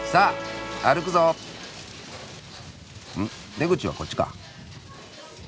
出口はこっちか。